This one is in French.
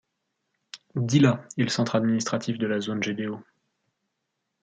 Dila est le centre administratif de la zone Gedeo.